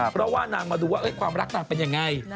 เพราะว่านางมาดูว่าความรักนางเป็นยังไง